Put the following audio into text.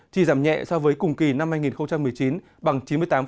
chỉ giảm nhẹ so với cùng kỳ năm hai nghìn một mươi chín bằng chín mươi tám